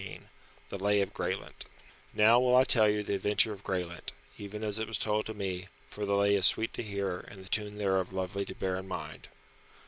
XV THE LAY OF GRAELENT Now will I tell you the adventure of Graelent, even as it was told to me, for the Lay is sweet to hear, and the tune thereof lovely to bear in mind.